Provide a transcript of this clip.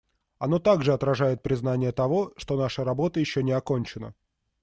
Оно также отражает признание того, что наша работа еще не окончена.